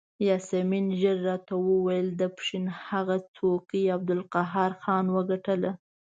یاسمین ژر راته وویل د پښین هغه څوکۍ عبدالقهار خان وګټله.